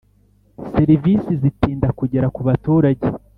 serivisi zitinda kugera ku baturage.